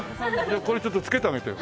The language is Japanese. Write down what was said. これちょっとつけてあげてよ。